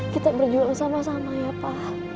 kita berjuang sama sama ya pak